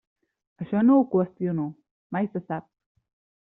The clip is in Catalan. Això no ho qüestiono, mai se sap.